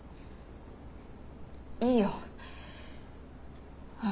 いいよ。